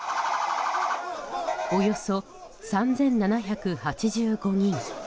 およそ３７８５人。